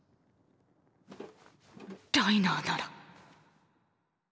ライナーなら！